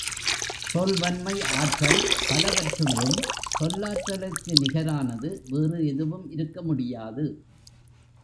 சொல்வன்மை ஆற்றல் பலவற்றுள்ளும் சொல்லாற்றலுக்கு நிகரானது வேறு எதுவும் இருக்க முடியாது.